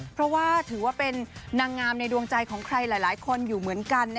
เพราะว่าถือว่าเป็นนางงามในดวงใจของใครหลายคนอยู่เหมือนกัน